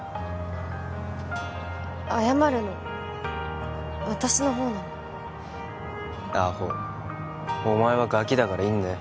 謝るの私のほうなのアホお前はガキだからいいんだよ